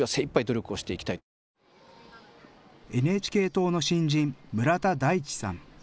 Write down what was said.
ＮＨＫ党の新人、村田大地さん。